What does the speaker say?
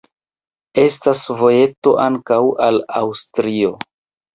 Estas vojeto ankaŭ al Aŭstrio.